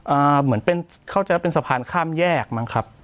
เหมือนเป็นเข้าใจว่าเป็นสะพานข้ามแยกมั้งครับ